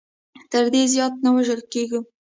تر دې زیات نه وژل کېږو.